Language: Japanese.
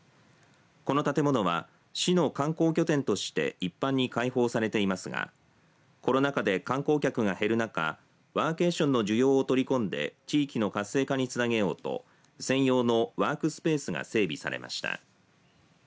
この建物は、市の観光拠点として一般に開放されていますがコロナ禍で観光客が減る中ワーケーションの需要を取り込んで地域の活性化につなげようと専用のワークスペースが整備されました。